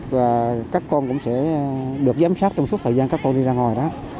và các con cũng sẽ được giám sát trong suốt thời gian các con đi ra ngồi